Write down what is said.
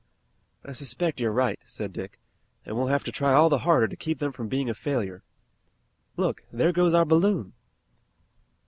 "I suspect you're right," said Dick, "and we'll have to try all the harder to keep them from being a failure. Look, there goes our balloon!"